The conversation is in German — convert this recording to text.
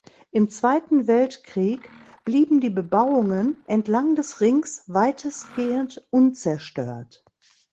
Im Zweiten Weltkrieg blieben die Bebauungen entlang des Rings weitestgehend unzerstört.